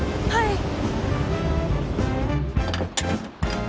はい。